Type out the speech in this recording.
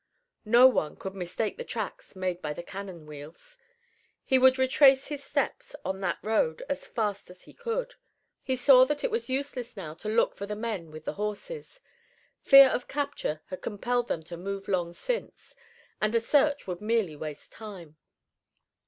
No one could mistake the tracks made by the cannon wheels. He would retrace his steps on that road as fast as he could. He saw that it was useless now to look for the men with the horses. Fear of capture had compelled them to move long since, and a search would merely waste time.